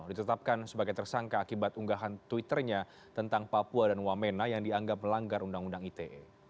ditetapkan sebagai tersangka akibat unggahan twitternya tentang papua dan wamena yang dianggap melanggar undang undang ite